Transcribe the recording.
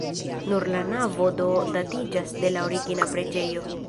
Nur la navo do datiĝas de la origina preĝejo.